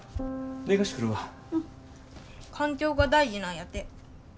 環境が大事なんやて。